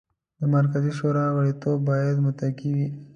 د مرکزي شورا غړیتوب باید موقتي وي.